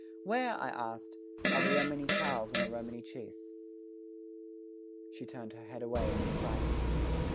"Where," I asked, "are the Romany chals and the Romany chis?" She turned her head away and was silent.